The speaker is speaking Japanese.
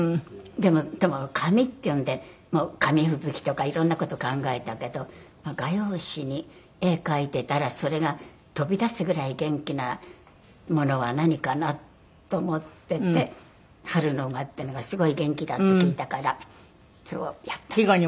でも紙っていうんで紙吹雪とか色んな事を考えたけど画用紙に絵を描いてたらそれが飛び出すぐらい元気なものは何かなと思ってて春の馬っていうのがすごい元気だって聞いたからそれをやったんです。